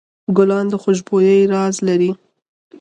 ګلان د خوشبویۍ راز لري.